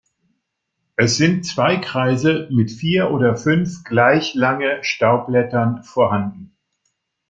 Es sind zwei Kreise mit vier oder fünf gleich lange Staubblättern vorhanden.